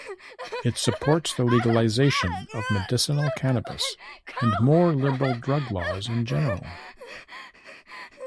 It supports the legalization of medicinal cannabis, and more liberal drug laws in general.